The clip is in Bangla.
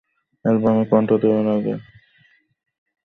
অ্যালবামে কণ্ঠ দেওয়ার আগে মুঠোফোনে সহজ মার সঙ্গে আমার কথা হয়েছে।